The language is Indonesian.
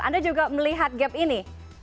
anda juga melihat gap ini